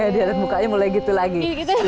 dia dan mukanya mulai gitu lagi